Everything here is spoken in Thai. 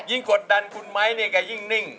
ยิ่งกดดันคุณไมค์นี่ก็ยิ่งนิ่ง